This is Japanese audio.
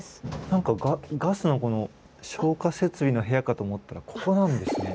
何かガスのこの消火設備の部屋かと思ったらここなんですね。